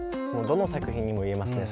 どの作品にも言えますね